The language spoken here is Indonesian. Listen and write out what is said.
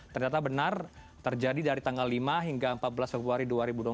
ternyata benar terjadi dari tanggal lima hingga empat belas februari dua ribu dua puluh